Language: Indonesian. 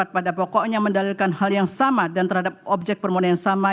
pada pokoknya mendalilkan hal yang sama dan terhadap objek permohonan yang sama